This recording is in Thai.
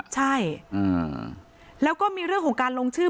ใช่แล้วก็มีเรื่องของการลงชื่อ